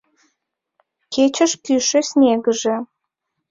Кечеш кӱшӧ снегыже!